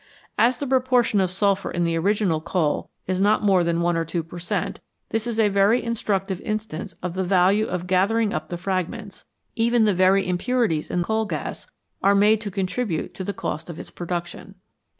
As the proportion of sulphur in the original coal is not more than one or two per cent., this is a very instructive instance of the 146 MORE ABOUT FUEL value of gathering up the fragments ; even the very impurities in the coal gas are made to contribute to the cost of its production.